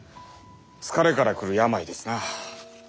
疲れから来る病ですな。